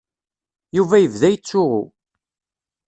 Yuba yebda yettsuɣu.